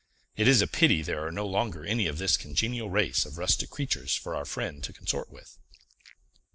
It is a pity there are no longer any of this congenial race of rustic creatures for our friend to consort with!"